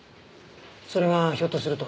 それがひょっとすると。